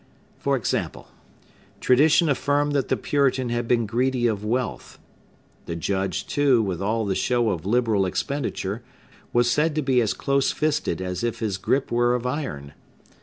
For example: tradition affirmed that the Puritan had been greedy of wealth; the Judge, too, with all the show of liberal expenditure, was said to be as close fisted as if his gripe were of iron.